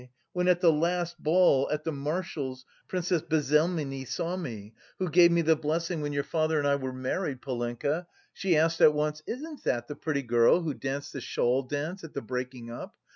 when at the last ball... at the marshal's... Princess Bezzemelny saw me who gave me the blessing when your father and I were married, Polenka she asked at once 'Isn't that the pretty girl who danced the shawl dance at the breaking up?